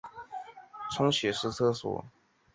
车站设有男女独立的冲洗式厕所。